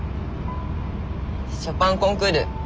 ショパンコンクール。